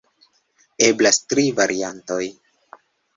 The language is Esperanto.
Eblas tri variantoj.